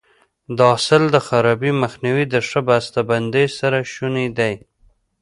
د حاصل د خرابي مخنیوی د ښه بسته بندۍ سره شونی دی.